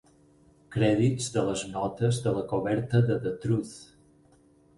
Crèdits de les notes de la coberta de "The Truth".